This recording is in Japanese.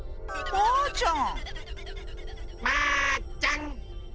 マーちゃん！